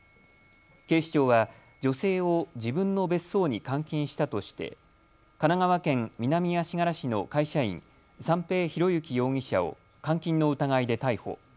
警視庁は女性を自分の別荘に監禁したとして神奈川県南足柄市の会社員、三瓶博幸容疑者を監禁の疑いで逮捕。